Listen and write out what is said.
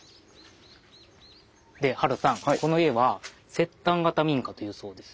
でハルさんこの家は摂丹型民家というそうですよ。